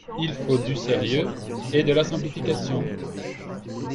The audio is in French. Il faut du sérieux et de la simplification.